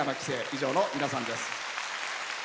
以上の皆さんです。